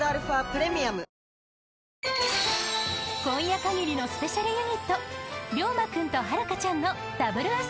［今夜かぎりのスペシャルユニット涼真君とはるかちゃんの］